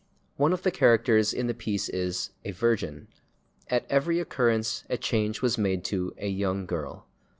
One of the characters in the piece is /A Virgin/. At every occurrence a change was made to /A Young Girl